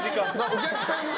お客さん